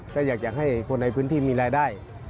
ก็อยากให้คนในพื้นที่มีรายได้